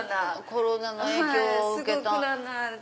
コロナの影響を受けた。